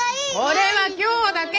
これは今日だけ！